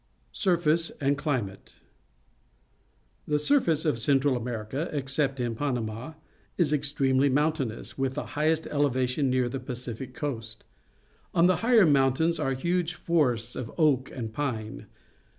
Surface and Climate. — The surface of Central America, except in Panama, is extremely mountainous, ^\•ith the highest elevation near the Pacific coast. On the higher mountains are huge forests of oak and pine.